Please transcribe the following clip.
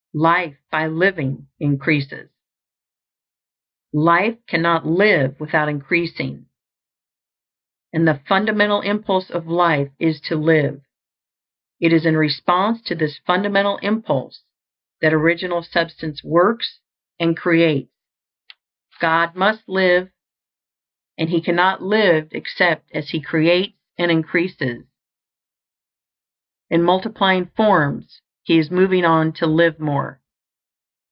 Life, by living, increases. Life cannot live without increasing, and the fundamental impulse of life is to live. It is in response to this fundamental impulse that Original Substance works, and creates. God must live; and he cannot live except as he creates and increases. In multiplying forms, He is moving on to live more.